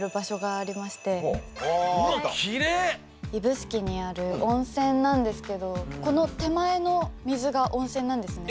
指宿にある温泉なんですけどこの手前の水が温泉なんですね。